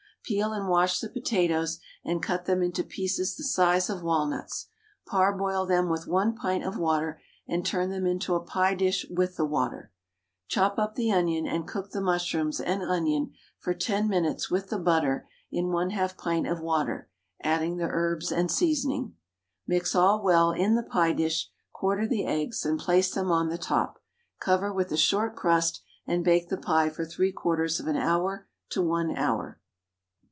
Peel and wash the potatoes, and cut them into pieces the size of walnuts; parboil them with 1 pint of water, and turn them into a pie dish with the water. Chop up the onion, and cook the mushrooms and onion for 10 minutes with the butter in 1/2 pint of water, adding the herbs and seasoning. Mix all well in the pie dish, quarter the eggs, and place them on the top, cover with a short crust, and bake the pie for 3/4 of an hour to 1 hour.